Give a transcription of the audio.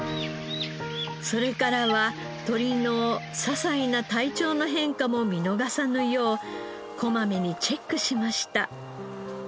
それからは鶏のささいな体調の変化も見逃さぬようこまめにチェックしました。